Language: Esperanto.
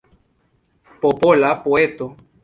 Popola poeto.